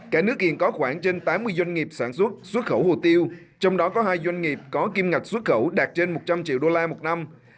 cả nước hiện có khoảng trên tám mươi doanh nghiệp sản xuất xuất khẩu hồ tiêu trong đó có hai doanh nghiệp có kim ngạch xuất khẩu đạt trên một trăm linh triệu đô la một năm